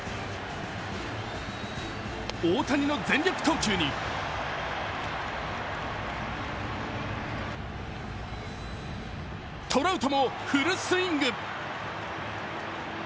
大谷の全力投球にトラウトもフルスイング。